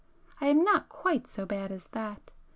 I am not quite so bad as that!